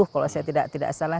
kalau saya tidak salah